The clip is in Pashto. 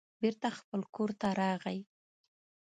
بېرته خپل کور ته راغی.